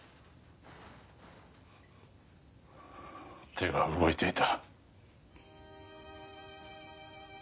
手が動いていた。